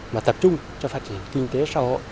mà tập trung cho phát triển kinh tế xã hội